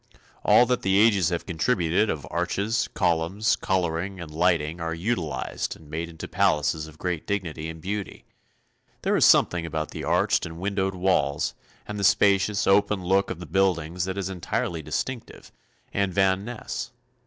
All that the ages have contributed of arches, columns, coloring and lighting are utilized and made into palaces of great dignity and beauty. There is something about the arched and windowed walls and the spacious, open look of the buildings that is entirely distinctive and Van Ness.